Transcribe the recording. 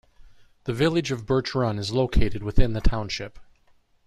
The village of Birch Run is located within the township.